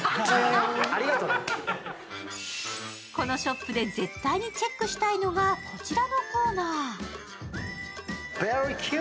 このショップで絶対にチェックしたいのがこちらのコーナー。